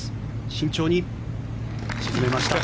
慎重に沈めました。